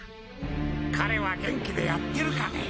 彼は元気でやってるかね？